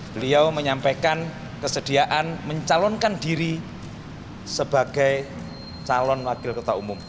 beliau menyampaikan kesediaan mencalonkan diri sebagai calon wakil ketua umum